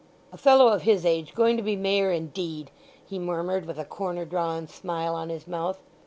"A fellow of his age going to be Mayor, indeed!" he murmured with a corner drawn smile on his mouth.